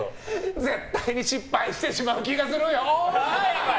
絶対に失敗してしまう気がするよ。